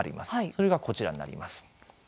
それが、こちらになります。